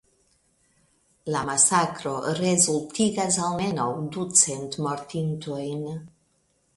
La masakro rezultigas almenaŭ du cent mortintojn.